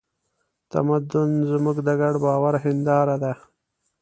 تمدن زموږ د ګډ باور هینداره ده.